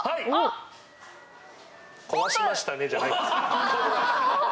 壊しましたねじゃないんですよ。